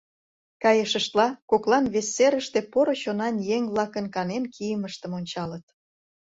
Кайышыштла, коклан вес серыште поро чонан еҥ-влакын канен кийымыштым ончалыт.